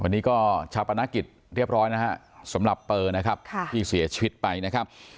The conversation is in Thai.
วันนี้ก็ชาปนกิจเรียบร้อยนะฮะสำหรับเปอร์นะครับที่เสียชีวิตไปนะครับ